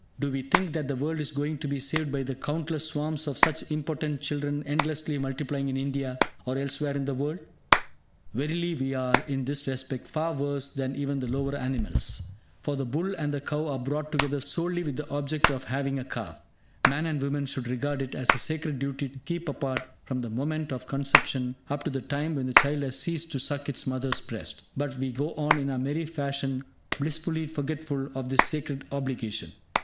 Do we think that the world is going to be saved by the countless swarms of such impotent children endlessly multiplying in India or elsewhere in the world? Verily we are, in this respect, far worse than even the lower animals; for, the bull and the cow are brought together solely with the object of having a calf. Man and woman should regard it as sacred duty to keep apart from the moment of conception up to the time when the child has ceased to suck its mother's breast. But we go on in our merry fashion blissfully forgetful of this sacred obligation.